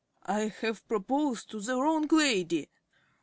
_) I have proposed to the wrong lady.